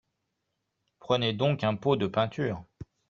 Prenez donc un pot de peinture